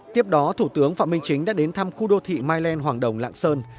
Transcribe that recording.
tiếp đó thủ tướng phạm minh chính đã đến thăm khu đô thị myland hoàng đồng lạng sơn